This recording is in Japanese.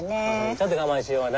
ちょっと我慢しような。